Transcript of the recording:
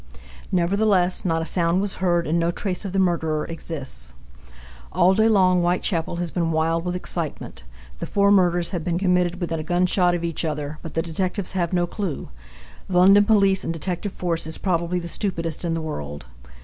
Nevertheless, not a sound was heard and no trace of the murderer exists. All day long Whitechapel has been wild with excitement. The four murders have been committed within a gunshot of each other, but the detectives have no clue. The London police and detective force is probably the stupidest in the world.